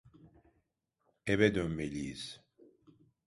Eve dönmeliyiz.